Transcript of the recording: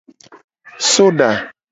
Soda.